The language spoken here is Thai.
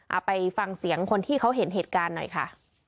เอาไปฟังเสียงคนที่เขาเห็นเหตุการณ์หน่อยค่ะ